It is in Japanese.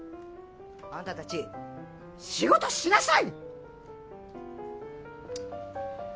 あんたたち仕事しなさい！